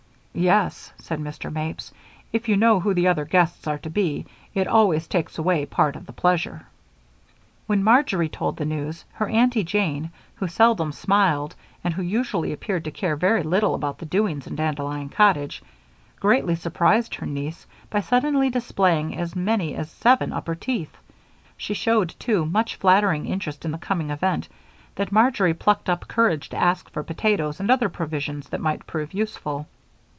"Yes," said Mr. Mapes, "if you know who the other guests are to be, it always takes away part of the pleasure." When Marjory told the news, her Aunty Jane, who seldom smiled and who usually appeared to care very little about the doings in Dandelion Cottage, greatly surprised her niece by suddenly displaying as many as seven upper teeth; she showed, too, such flattering interest in the coming event that Marjory plucked up courage to ask for potatoes and other provisions that might prove useful.